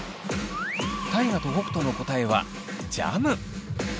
大我と北斗の答えはジャム。